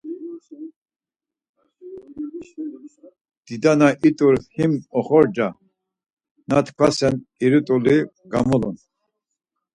Dida na it̆ur him oxorza, na t̆ǩvasen irituli gamulun.